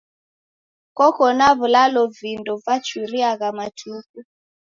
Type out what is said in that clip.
Koko na w'uloli vindo vachuriagha matuku?